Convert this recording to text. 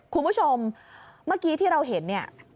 คุณผู้ชมเมื่อกี้ที่เราเห็นเนี่ย